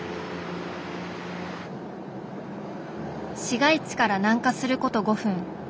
市街地から南下すること５分。